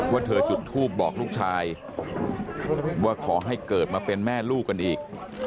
ว่าเธอจุดทูปบอกลูกชายว่าขอให้เกิดมาเป็นแม่ลูกกันอีก